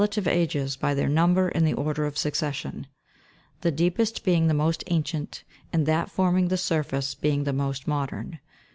live ages by their number in the order of succession ; the deepest being the most ancient, and that forming the surface being the most modern.